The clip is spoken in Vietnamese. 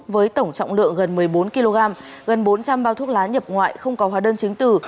với tổng trọng lượng gần một mươi bốn kg gần bốn trăm linh bao thuốc lá nhập ngoại không có hóa đơn chứng tử